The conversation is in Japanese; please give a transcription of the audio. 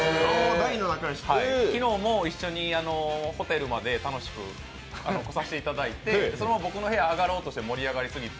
昨日も一緒にホテルまで楽しく来させていただいてそのまま僕の部屋あがろうと思って盛り上がりすぎて。